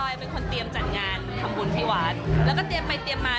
เป็นคนเตรียมจัดงานทำบุญที่วัดแล้วก็เตรียมไปเตรียมมา